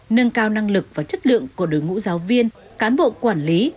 nâng cao năng lực và chất lượng của đối ngũ giáo viên cán bộ quản lý